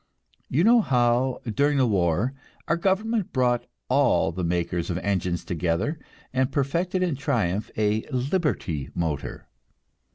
You know how, during the war, our government brought all the makers of engines together and perfected in triumph a "Liberty motor."